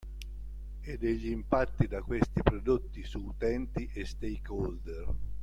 E degli impatti da questi prodotti su utenti e stakeholder